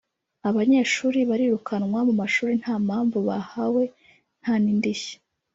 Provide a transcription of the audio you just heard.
Abanyeshuli barirukanwa mu mashuli nta mpamvu bahawe nta n’indishyi